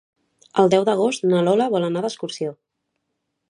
El deu d'agost na Lola vol anar d'excursió.